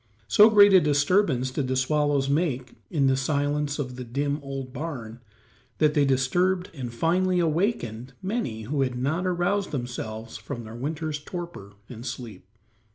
So great a disturbance did the swallows make in the silence of the dim, old barn that they disturbed and finally awakened many who had not aroused themselves from their winter's torpor and sleep.